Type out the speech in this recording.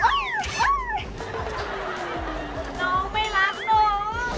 โอ้ยหนองไม่รักนอง